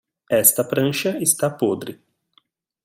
Esta prancha está podre